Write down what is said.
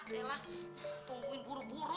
yalah tungguin buru buru